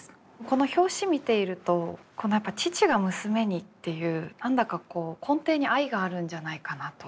この表紙見ているとやっぱ「父が娘に」っていう何だか根底に愛があるんじゃないかなと。